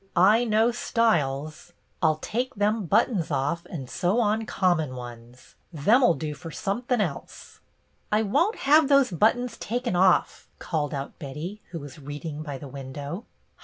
I know styles. I 'll take them buttons off and sew on common ones. Them 'll do fer somethin' else." " I won't have tho^e buttons taken off," called out Betty, who was reading by the window.